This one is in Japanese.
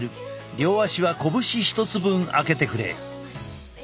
両足は拳１つ分開けてくれ。